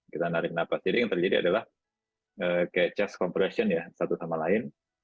kita narik nafas jadi yang terjadi adalah kayak chess compression ya satu sama lain